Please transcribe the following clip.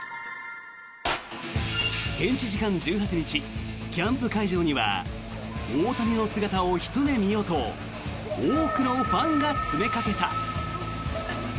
現地時間１８日キャンプ会場には大谷の姿をひと目見ようと多くのファンが詰めかけた。